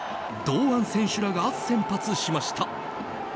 堂安選手らが先発しました。